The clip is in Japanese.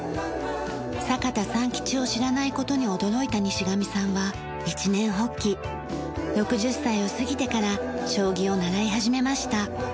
坂田三吉を知らない事に驚いた西上さんは一念発起６０歳を過ぎてから将棋を習い始めました。